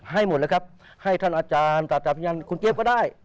ให้หมดเลยครับให้ท่านอาจารย์ตาพยานคุณเจี๊ยบก็ได้